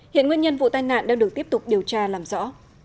hiện nguyên nhân vụ tai nạn đang được tiếp tục điều tra làm rõ